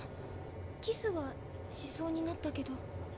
キスはしそうになったけど。